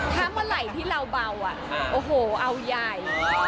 ถ้าเมื่อไหร่ที่เราเบาโอ้โหเอายาย